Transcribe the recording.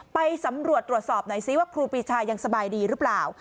ไปสำรวจตรวจสอบหน่อยซิว่าครูปีชายังสบายดีหรือเปล่า